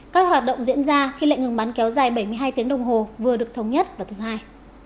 các hoạt động diễn ra khi lệnh ngừng bắn kéo dài bảy mươi hai tiếng đồng hồ vừa được thống nhất vào thứ hai